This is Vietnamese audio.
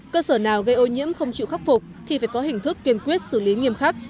cơ sở nào gây ô nhiễm không chịu khắc phục thì phải có hình thức kiên quyết xử lý nghiêm khắc